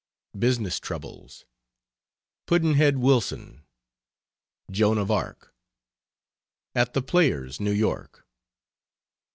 BUSINESS TROUBLES. "PUDD'NHEAD WILSON." "JOAN OF ARC." AT THE PLAYERS, NEW YORK.